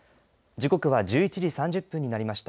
時刻は１１時３０分になりました。